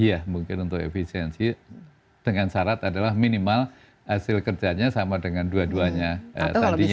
iya mungkin untuk efisiensi dengan syarat adalah minimal hasil kerjanya sama dengan dua duanya tadinya